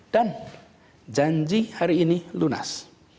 dan janji hari ini lunas